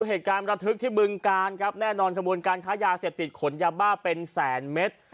เหตุการณ์ประทึกที่บึงการครับแน่นอนขบวนการค้ายาเสพติดขนยาบ้าเป็นแสนเมตร